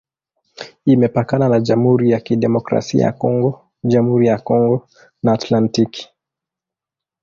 Imepakana na Jamhuri ya Kidemokrasia ya Kongo, Jamhuri ya Kongo na Atlantiki.